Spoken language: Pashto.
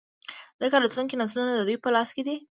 ځـکـه راتـلونکي نـسلونه د دوي پـه لاس کـې دي.